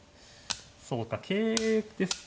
そうか桂ですか。